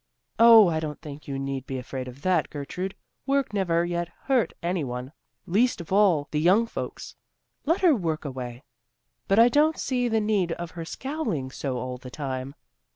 "Oh, I don't think you need be afraid of that, Gertrude; work never yet hurt any one, least of all the young folks. Let her work away. But I don't see the need of her scowling so all the time.